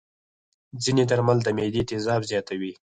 ځینې درمل د معدې تیزاب زیاتوي.